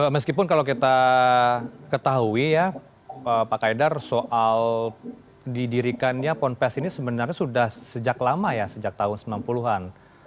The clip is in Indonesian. meskipun kalau kita ketahui ya pak kaidar soal didirikannya ponpes ini sebenarnya sudah sejak lama ya sejak tahun sembilan puluh an